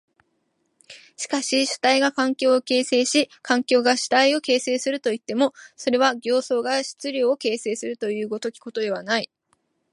しかし主体が環境を形成し環境が主体を形成するといっても、それは形相が質料を形成するという如きことではない。